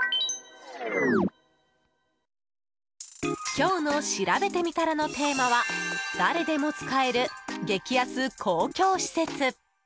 今日のしらべてみたらのテーマは誰でも使える激安公共施設。